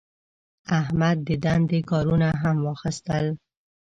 احمد د دندې کارونه هم واخیستل.